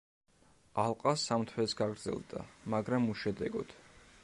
ალყა სამ თვეს გაგრძელდა, მაგრამ უშედეგოდ.